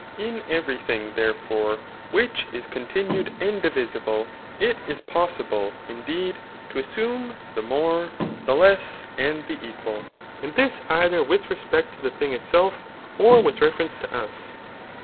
In every thing, therefore, which is continued and divisible, it is possible, indeed, to assume the more, the less, and the equal ; and this either widi respect to the thing itself, or with reference to us.